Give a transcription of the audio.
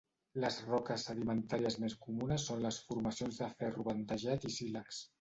Les roques sedimentàries més comunes són les formacions de ferro bandejat i sílex.